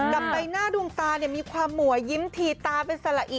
กลับไปหน้าดวงตาเนี่ยมีความหมวยยิ้มทีตาเป็นสละอิ